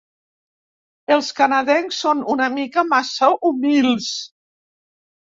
Els canadencs són una mica massa humils.